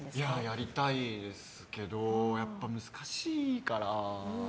やりたいですけどやっぱり難しいから。